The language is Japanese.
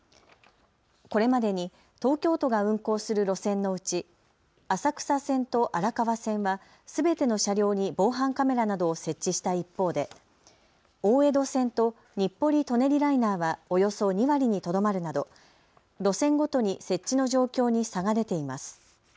これまでに東京都が運行する路線のうち浅草線と荒川線はすべての車両に防犯カメラなどを設置した一方で大江戸線と日暮里・舎人ライナーはおよそ２割にとどまるなど、路線ごとに設置の状況に差が出ています。